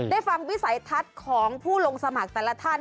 ฟังวิสัยทัศน์ของผู้ลงสมัครแต่ละท่าน